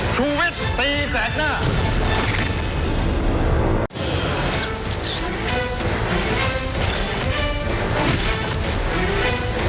ชูเว็ดตีแสดหน้า